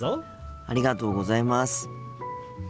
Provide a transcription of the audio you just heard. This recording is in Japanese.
ありがとうございます。